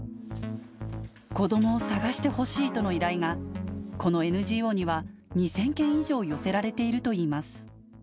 子どもを捜してほしいとの依頼が、このＮＧＯには２０００件以上寄せられているといいます。